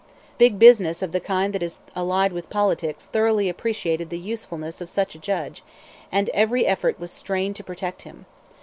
Big business of the kind that is allied with politics thoroughly appreciated the usefulness of such a judge, and every effort was strained to protect him.